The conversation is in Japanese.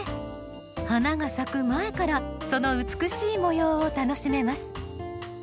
花が咲く前からその美しい模様を楽しめます。